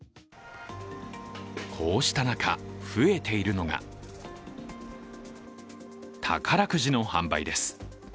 こうした中、増えているのが宝くじの販売です。